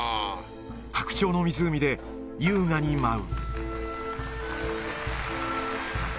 白鳥の湖で優雅に舞う。